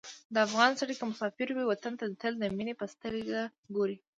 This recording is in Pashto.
د افغان سړی که مسافر وي، وطن ته تل د مینې په سترګه ګوري.